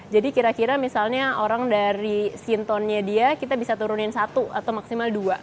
jadi kira kira misalnya orang dari skin tone nya dia kita bisa turunin satu atau maksimal dua